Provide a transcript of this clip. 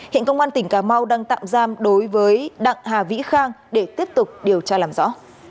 hiện công an tỉnh cà mau đang tạm giam đối với đặng hà vĩ khang để tiếp tục điều tra làm rõ